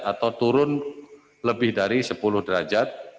atau turun lebih dari sepuluh derajat